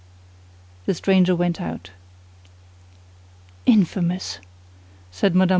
The stranger went out. "Infamous!" said Mme.